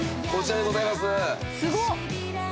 すごっ。